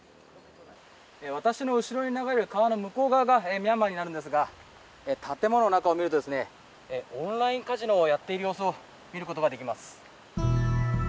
私の後ろに流れる川の向こう側がミャンマーになるんですが建物の中を見るとオンラインカジノをやっている様子を見ることができます。